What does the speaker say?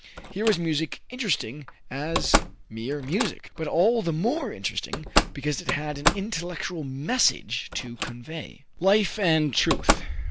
Here was music interesting as mere music, but all the more interesting because it had an intellectual message to convey. Life and Truth.